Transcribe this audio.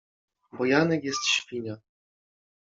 Bo Janek jest Świnia.